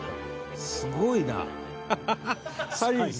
「すごいな」